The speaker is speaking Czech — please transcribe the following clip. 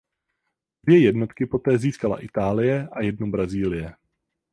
Dvě jednotky poté získala Itálie a jednu Brazílie.